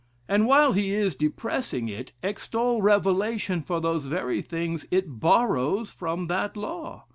and while he is depressing it, extol revelation for those very things it borrows from that law?